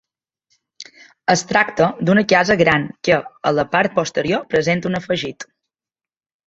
Es tracta d'una casa gran que, a la part posterior presenta un afegit.